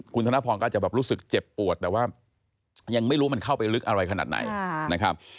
คุณธนพรก็อาจจะแบบรู้สึกเจ็บปวดแต่ว่ายังไม่รู้มันเข้าไปลึกอะไรขนาดไหนนะครับ